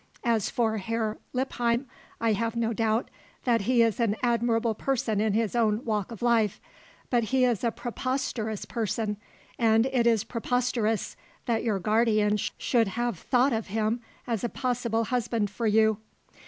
As for Herr Lippheim, I have no doubt that he is an admirable person in his own walk of life, but he is a preposterous person, and it is preposterous that your guardian should have thought of him as a possible husband for you."